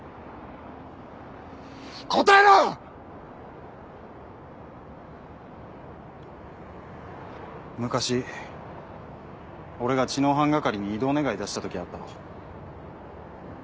答えろ‼昔俺が知能犯係に異動願出した時あったろ。